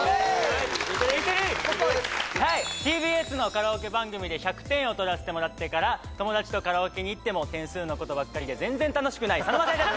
ＴＢＳのカラオケ番組で１００点を取らせてもらってから友達とカラオケに行っても点数のことばっかりで全然楽しくない佐野晶哉です